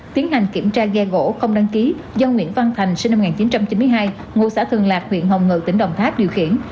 tiến hành kiểm tra ghe gỗ không đăng ký do nguyễn văn thành sinh năm một nghìn chín trăm chín mươi hai ngụ xã thường lạc huyện hồng ngự tỉnh đồng tháp điều khiển